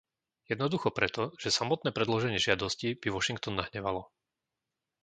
Jednoducho preto, že samotné predloženie žiadosti by Washington nahnevalo.